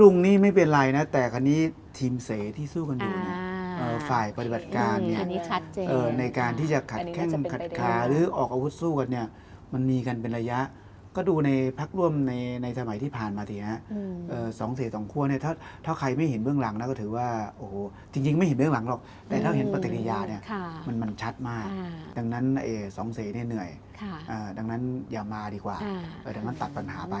อเรนนี่เช้าอเรนนี่เช้าอเรนนี่เช้าอเรนนี่เช้าอเรนนี่เช้าอเรนนี่เช้าอเรนนี่เช้าอเรนนี่เช้าอเรนนี่เช้าอเรนนี่เช้าอเรนนี่เช้าอเรนนี่เช้าอเรนนี่เช้าอเรนนี่เช้าอเรนนี่เช้าอเรนนี่เช้าอเรนนี่เช้าอเรนนี่เช้าอเรนนี่เช้าอเรนนี่เช้าอเรนนี่เช้าอเรนนี่เช้าอ